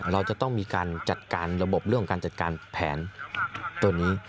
เราจะต้องมีการจัดการระบบเรื่องของการจัดการแผนตัวนี้